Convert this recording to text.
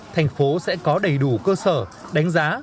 thành phố sẽ có đầy đủ cơ sở đánh giá